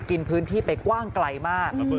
กินพื้นที่ไปกว้างไกลมาก